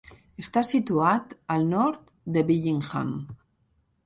Està situat al nord de Billingham.